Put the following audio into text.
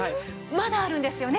まだあるんですよね？